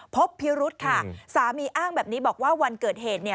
พบพิรุธค่ะสามีอ้างแบบนี้บอกว่าวันเกิดเหตุเนี่ย